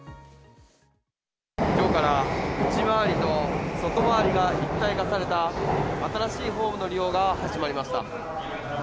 今日から内回りと外回りが一体化された新しいホームの利用が始まりました。